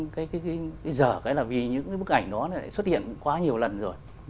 cái dở cái là vì những cái bức ảnh đó đã xuất hiện quá nhiều lần rồi